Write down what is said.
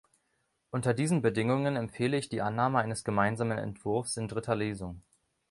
Unter diesen Bedingungen empfehle ich die Annahme des gemeinsamen Entwurfs in dritter Lesung.